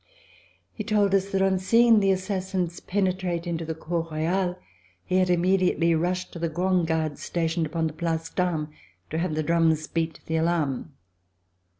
He told us that on seeing the assassins penetrate into the Cour Royale, he had immediately rushed to the grand'garde stationed upon the Place d'Armes to have the drums beat the alarm.